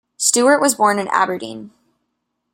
Stewart was born in Aberdeen.